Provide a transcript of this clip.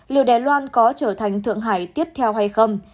liệu đài loan có trở thành thượng hải tiếp theo hay không